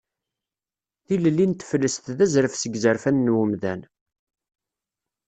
Tilelli n teflest d azref seg izerfan n wemdan.